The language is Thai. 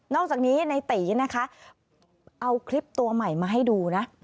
อกจากนี้ในตีนะคะเอาคลิปตัวใหม่มาให้ดูนะ